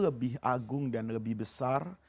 lebih agung dan lebih besar